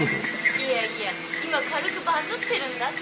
いやいや今軽くバズってるんだって。